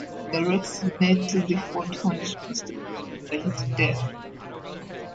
The Rex Nettleford Foundation was established after his death.